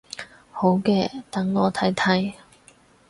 好嘅，等我睇睇